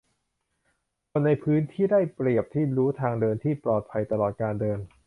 คนในพื้นที่ได้เปรียบที่รู้ทางเดินที่ปลอดภัยตลอดการเดิน